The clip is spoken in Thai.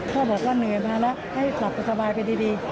พ่อบอกว่าเหนื่อยมาแล้วให้กลับไปสบายไปดี